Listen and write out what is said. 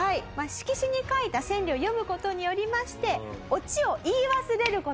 色紙に書いた川柳を詠む事によりましてオチを言い忘れる事がない。